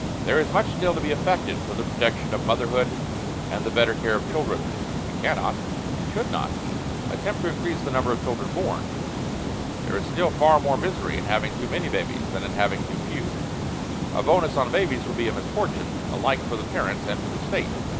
There is much still to be effected for the protection of motherhood and the better care of children. We cannot, and should not, attempt to increase the number of children born; there is still far more misery in having too many babies than in having too few; a bonus on babies would be a misfortune, alike for the parents and the State.